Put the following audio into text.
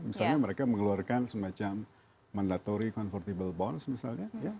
misalnya mereka mengeluarkan semacam mandatory convertible bonds misalnya